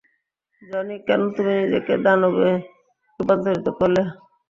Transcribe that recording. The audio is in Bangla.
জনি, কেন তুমি নিজেকে দানবে রূপান্তর করলে?